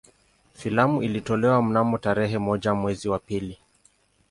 Filamu ilitolewa mnamo tarehe moja mwezi wa pili